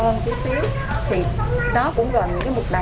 còn nếu như mà cao hơn chút xíu thì nó cũng gần như cái mục đầy